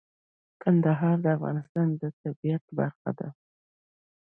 کندهار د افغانستان د طبیعت برخه ده.